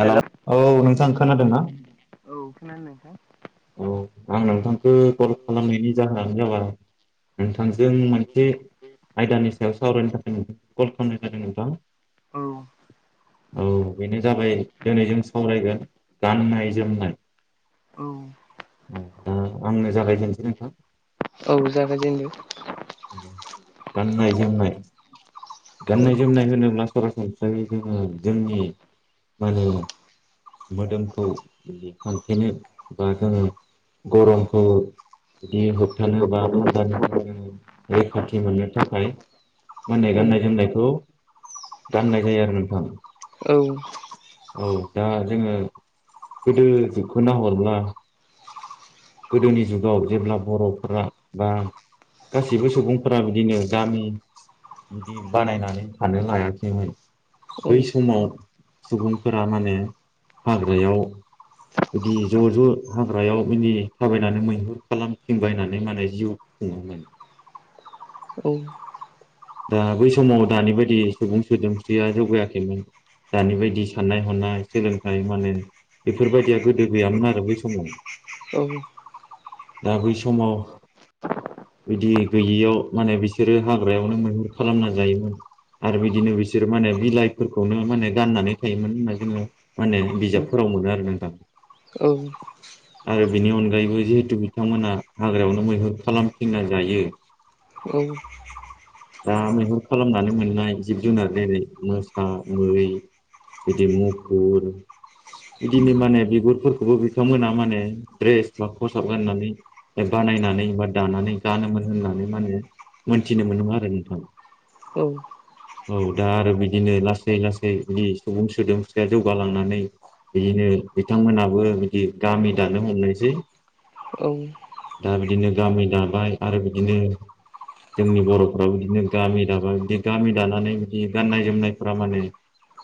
हेल' औ नोंथां खोनादों ना? औ खोनादो नोंथां अ आं नोंथांखो कल खालामनायनि जाहोनानो जाबाय नोंथांजों मोनसे आयदानि सायाव सावरायनो थाखाय कल खामनाय जादो नोंथां। औ औ बेनो जाबाय दोनै जों सावरायगोन गाननाय जोमनाय औ अ दा आंनो जागाय ग्रोनसै नोंथां औ जागाय जेनदो गाननाय जोमनाय औ गाननाय जोमनाय होनोब्ला थ' सरासन हिसाबै जोङो जोंनि मा ने मोदोमखौ बिदि फांथेनो ओ जोङो गरमखौ बिदि होबथानो बा थान्दानिफ्राय रैखाथि मोननो थाखाय माहोनो औ गाननाय जोमनायखौ गाननाय जायो आरो नोंथां औ औ दा जोङो गोदो जुगखौ नाहरब्ला गोदोनि जुगाव जेब्ला बर'फोरा बा गासिबो सुबुंफोरा बिदिनो गामि बिदि बानायनानै थानो लायाखैमोन औ बै समाव सुबुंफोरा माने हाग्रायाव बिदि ज' ज' हाग्रायाव बिदि थाबायनानै मैहुर खालामथिंबायनानै माने जिउ खुङोमोन। औ। दा बै समाव दानि बायदि सुबुं सोदोमस्रिया जौगायाखैमोन। दानि बायदि साननाय हनाय सोलोंथाइ माने बेफोरबायदिया गोदो गैयामोन आरो बै समाव। औ दा बै समाव बिदि गैयियाव माने बिसोरो हाग्रायावनो मैहुर खालामना जायोमोन। आरो बिदिनो बिसोर माने बिलाइफोरखौनो माने गाननानै थायोमोन होनना जोङो माने बिजाबफोराव मोनो आरो नोंथां। औ। आरो बिनि अनगायैबो जिहेथु बिथांमोना हाग्रायावनो मैहुर खालामथिंना जायो औ। दा मैहुर खालामनानै मोननाय जिब जुनार जेरै मोसा, मै बिदि मुफुर बिदिनो माने बिगुरफोरखौबो बिथांमोना माने द्रेस बा खसाब गाननानै बानायनानै बा दानानै गानोमोन होननानै माने मोनथिनो मोनोमोन नों थां [unintelligible] औ दा आरो बिदिनो लासै लासै बिदि सुबुं सोदोमसि या जौगालांनानै बिदिनो बिथांमोनाबो बिदि गामि दानो हमनायसै। औ। दा बिदिनो गामि दाबाय आरो बिदिनो जोंनि बर' औ बिदिनो गामि दाबाय बिदि गामि दानानै बिदि गाननाय जोमनायफ्रा माने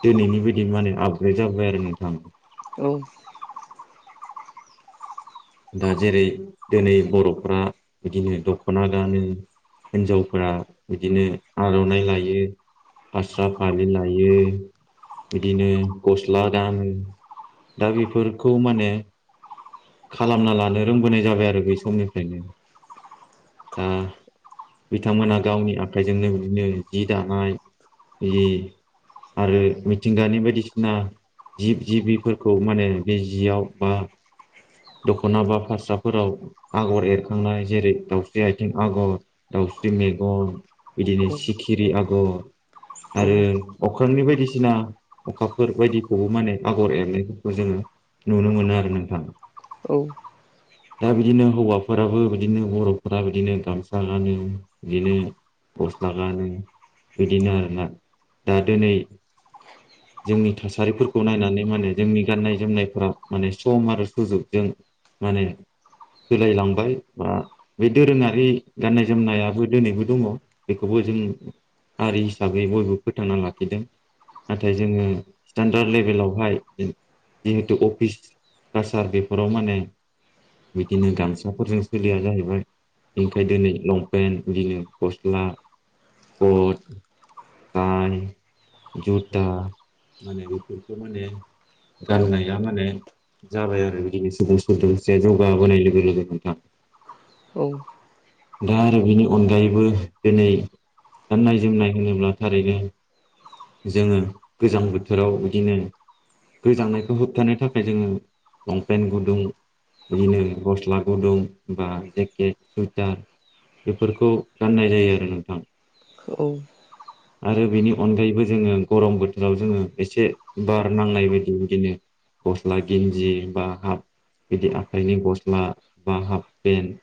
दिनैनि बायदि माने आपग्रेड जाबाय आरो नोंथां। औ। दा जेरै दिनै बर'फ्रा बिदिनो दख'ना गानो हिन्जावफोरा बिदिनो आर'नाइ लायो। हास्रा फालि लायो बिदिनो गस्ला गानो दा बेफोरखौ माने खालामना लानो रोंबोनाय जाबाय आरो बै समनिफ्रायनो दा बिथांमोनहा गावनि आखाइजोंनो बिदिनो जि दानाय जि आरो मिथिंगानि बायदिसिना जिब जिबिफोरखौ माने बे जियाव बा दख'ना बा भासराफोराव आगर एरखांनाय जेरै दाउस्रि आथिं आगर, दाउस्रि मेगन बिदिनो सिखिरि आगर आरो अख्रांनि बायदिसिना अखाफोर बायदिखौबो माने आगर एरनायफोरखौ जोङो नुनो मोनो आरो नोंथां। दा बिदिनो हौवाफोराबो बिदिनो बर'फोरा बिदिनो गामसा गानो बिदिनो गस्ला गानो बिदिनो आरोना दा दोनै जोंनि थासारिफोरखौ नायनानै माने जोंनि गाननाय जोमनायफ्रा माने सम आरो सुजुग जों माने सोलायलांबाय बा बे दोरोङारि गाननाय जोमनायाबो दोनैबो दङ बेखौबो जों हारि हिसाबै बयबो फोथांना लाखिदों। नाथाय जोङो स्टेेनडार्द लेभेलावहाय जिहेथु अफिस कासार बेफोराव माने बिदिनो गामसाफोरजों सोलिया जाहैबाय। ओंखाय दिनै लंपेन्ट बिदिनो गस्ला, कट गानि जुथा माने बेफोरखौ माने गाननाया माने जाबाय आरो बिदिनो सुबुं सोदोमस्रिया जौगाबोनाय लोगो लोगो नोंथां। औ। दा आरो बेनि अनगायैबो दिनै गाननाय जोमनाय होनोब्ला थारैनो जोङो गोजां बोथोराव बिदिनो गोजांनायखौ होबथानो थाखाय जोङो लंपेन्ट गुदुं बिदिनो गस्ला गुदुं बा जेकेट, सुइटार बेफोरखौ गाननाय जायो आरो नोंथां। औ। आरो बेनि अनगायैबो जोङो गरम बोथोराव जोङो एसे बार नांनाय बायदि बिदिनो गस्ला गेन्जि बा हाब बिदि आखाइनि गस्ला बा हाब पेन्ट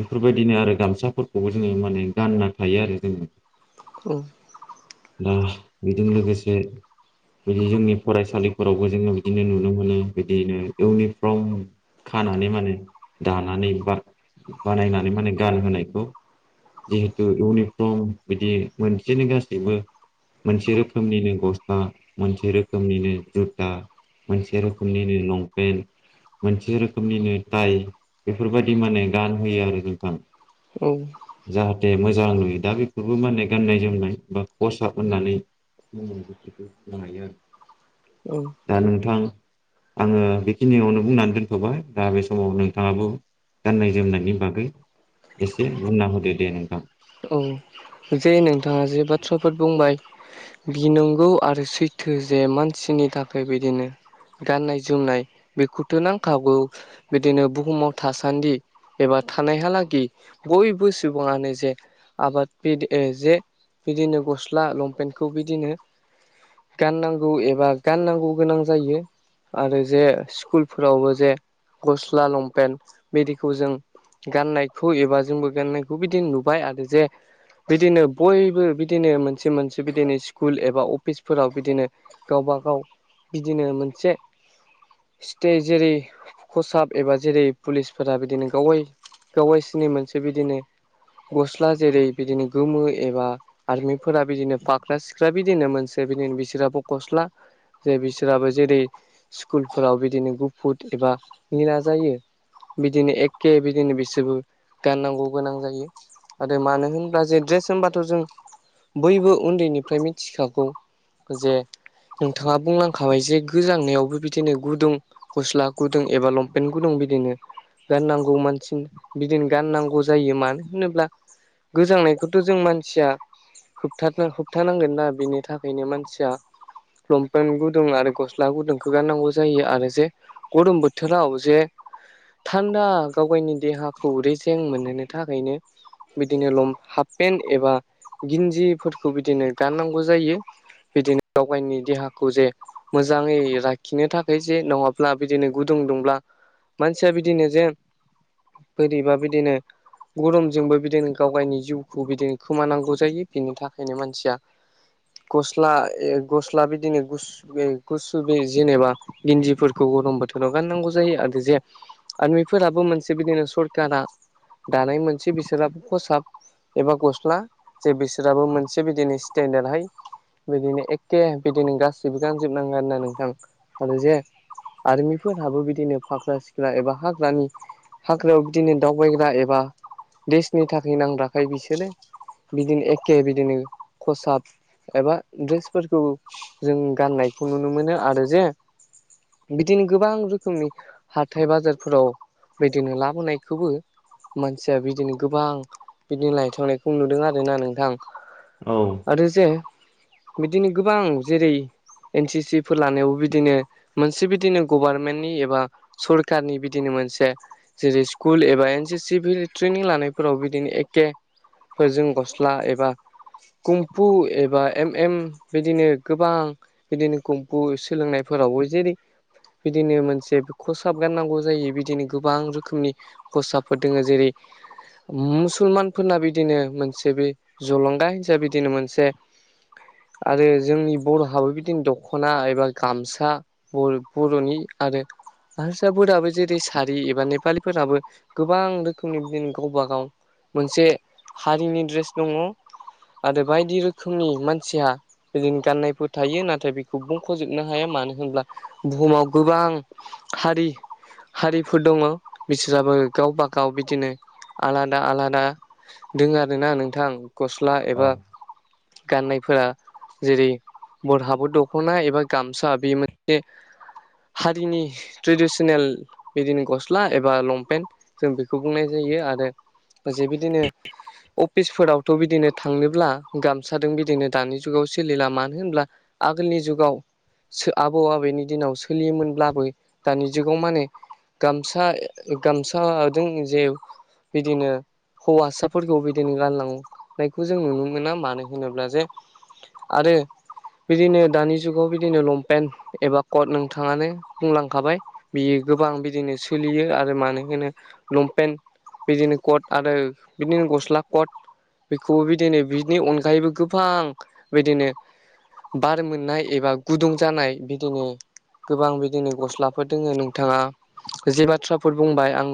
बेफोरबायदिनो आरो गामसाफोरखौबो जोङो माने गानना थायो आरो जोङो। [unintelligible] दा बेजों लोगोसे बिदि जोंनि फरायसालिफोरावबो जोङो बिदिनो नुनो मोनो बिदिनो इउनिफर्म खानानै माने दानानै बा बानायनानै माने गानहोनायखौ जिहेतु इउनिफर्म बिदि मोनसेनो गासैबो मोनसे रोखोमनिनो गस्ला, मोनसे रोखोमनिनो जुथा मानसि रोखोमनिनो लंपेन्ट मोनसे रोखोमनिनो टाइ बेफोरबायदि माने गानहोयो आरो नोंथां। औ। जाहाथे मोजां नुयो। दा बेफोरबो माने गाननाय जोमनाय बा खसाब होननानै [unintelligible] हायो आरो। औ। दा नोंथां आङो बेखिनियावनो बुंनानै दोनथ'बाय। दा बे समाव नोंथाङाबो गाननाय जोमनायनि बागै एसे बुंना होदो दे नोंथां। औ जे नोंथाङा जे बाथ्राफोर बुंबाय बि नंगौ आरो सैथो जे मानसिनि थाखाय बिदिनो गाननाय जोमनाय बेखौथ' नांखागौ। बिदिनो बुहुमाव थासान्दि एबा थानायहालागै बयबो सुबुङानो जे आबाद बिद जे बिदिनो गस्ला लंपेन्टखौ बिदिनो गाननांगौ एबा गाननांगौ गोनां जायो। आरो जे स्कुलफोरावबो जे गस्ला लंपेन्ट बिदिखौ जों गाननायखौ एबा जोंबो गाननायखौ बिदि नु बाय आरो जे बिदिनो बयबो बिदिनो मोनसे मोनसे बिदिनो स्कुल एबा अफिसफोराव बिदिनो गावबा गाव बिदिनो मोनसे स्टे जेरै खसाब एबा जेरै पुलिसफोरा बिदिनो गाव गाय गाव गायसिनि मोनसे बिदिनो गस्ला जेरै बिदिनो गोमो एबा आरमिफोरा बिदिनो फाख्रा सिख्रा बिदिनो मोनसे बिदिनो बिसोराबो गस्ला जे बिसोराबो जेरै स्कुलफोराव बिदिनो गुफुर एबा निला जायो। बिदिनो एखे बिदिनो बिसोरबो गाननांगौ गोनां जायो। आरो मानो होनब्ला जे ड्रेस होनबाथ' जों बयबो उन्दैनिफ्राय मिथिखागौ। जे नोंथाङा बुंलांखाबाय जे गोजांनायावबो बिदिनो गुदुं गस्ला गुदुं एबा लंपेन्ट गुदुं बिदिनो गाननांगौ मानसि बिदिनो गाननांगौ जायो। मानो नो होनोब्ला गोजांनायखौथ' जों मानसिया होबथानो होबथानांगोन ना बिनि थाखायनो मानसिया लंपेन्ट गुदुं आरो गस्ला गुदुंखौ गारनांगौ जायो। आरो जे गरम बोथोराव जे थान्दा गाव गायनि देहाखौ रेजें मोनहोनो थाखायनो बिदिनो लम हाफपेन एबा गिन्जिफोरखौ बिदिनो गाननांगौ जायो। बिदिनो गावगायनि देहाखौ जे मोजाङै लाखिनो थाखाय जे नङाब्ला बिदिनो गुदुं दुंब्ला मानसिया बिदिनो जे बोरैबा बिदिनो गरुम जोंबो बिदिनो गावगायनि जिउखौ बिदिनो खोमानांगौ जायो बिनि थाखायनो मानसिया गस्ला यो गस्ला बिदिनो गुसु बे गुसु बे जेनेबा गिन्दिफोरखौ गरम बोथोराव गाननांगौ जायो आरो जे आर्मिफोराबो मोनसे बिदिनो सरकारा दानाय मोन से बिसोराबो फसाब एबा गस्ला जे बिसोराबो मोनसे बिदिनो स्टेनडार्डहाय बिदिनो एके बिदिनो गासिबो गानजोबनांगौ आरोना नोंथां आरो जे आर्मिफोरहाबो बिदिनो फाख्रा सिख्रा एबा हाग्रानि हाग्रायाव बिदिनो दावबायग्रा एबा देशनि थाखाय नांग्राखाय बिसोरो बिदिनो एके बिदिनो खसाब एबा ड्रेसफोरखौ जों गाननायखौ नुनो मोनो आरो जे बिदिनो गोबां रोखोमनि हाथाय बाजारफोराव बिदिनो लाबोनायखौबो मानसिया बिदिनो गोबां बिदिनो लायथांनायखौ नुदों आरोना नोंथां। औ। आरो जे बिदिनो गोबां जेरै एन सि सि फोर लानायावबो बिदिनो मोनसे बिदिनो गभारनमेन्टनि एबा सरकारनि बिदिनो मोनसे जेरै स्कुल एबा एन सि सिभिल ट्रेनिं लानायफोराव बिदिनो एके फोर जों गस्ला एबा कुम्पु एबा एम एम बिदिनो गोबां बिदिनो कम्पु सोलोंनायफोरावबो जेरै बिदिनो मोनसे खसाब गाननांगौ जायो बिदिनो गोबां रोखोमनि खसाब फोर दोङो जेरै मुसलमानफोरना बिदिनो मोनसे बे जलंगा हिनसाब बिदिनो मोनसे आरो जोंनि बर'हाबो बिदिनो दख'ना एबा गामसा बर-बर'नि आरो हारसाफोराबो जेरै सारि एबा नेपालिफोराबो गोबां रोखोमनि बिदिनो गावबागाव मोनसे हारिनि ड्रेस दङ। आरो बायदि रोखोमनि मानसिहा बिदिनो गाननायफोर थायो नाथाय बिखौ बुंख'जोबनो हाया मानो होनब्ला बुहुमाव गोबां खारि हारिफोर दङ बिसोराबो गावबा गाव बिदिनो आलादा आलादा दोङो आरोना नोंथां। गस्ला एबा गाननायफोरा जेरै बरहाबो दख'ना एबा गामसा बे मोनसे हारिनि ट्रेडिसनेल बिदिनो गस्ला एबा लंपेन्ट जों बिखौ बुंनाय जायो आरो जे बिदिनो अपिसफोरावथ' बिदिनो थांनोब्ला गामसादों बिदिनो दानि जुगाव सोलिला मानो होनब्ला आगोलनि जुगाव सो आबौ आबैनि दिनाव सोलियोमोनब्लाबो दानि जुगाव माने गामसा गामसादों जे बिदिनो हौवासाफोरखौ बिदिनो गानलांनायखौ जों नुनो मोना मानो होनोब्ला जे आरो बिदिनो दानि जुगाव बिदिनो लंपेन्ट एबा कट नोंथाङानो बुंलांखाबाय। बियो गोबां बिदिनो सोलियो आरो मानो होनो लंपेन्ट बिदिनो कट आरो बिदिनो गस्ला कट बेखौबो बिदिनो बिनि अनगायैबो गोबां बिदिनो बार मोननाय एबा गुदुं जानाय बिदिनो गोबां बिदिनो गस्लाफोर दोङो नोंथाङा जे बाथ्राफोर बुंबाय आं